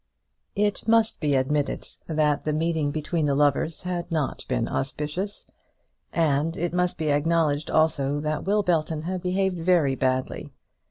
It must be admitted that the meeting between the lovers had not been auspicious; and it must be acknowledged, also, that Will Belton had behaved very badly.